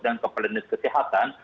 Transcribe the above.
dengan kepala denis kesehatan